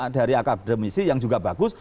dari akademisi yang juga bagus